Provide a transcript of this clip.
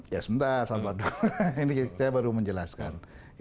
ya sebentar saya baru menjelaskan